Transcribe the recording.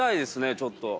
ちょっと。